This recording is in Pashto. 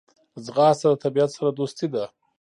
ځغاسته د طبیعت سره دوستي ده